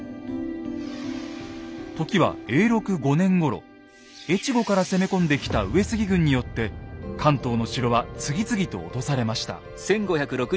時は越後から攻め込んできた上杉軍によって関東の城は次々と落とされました。